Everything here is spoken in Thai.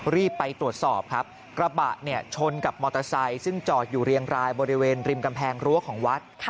รีบไปตรวจสอบครับกระบะเนี่ยชนกับมอเตอร์ไซค์ซึ่งจอดอยู่เรียงรายบริเวณริมกำแพงรั้วของวัด